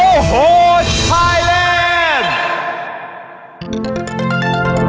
โอ้โหไทยแลนด์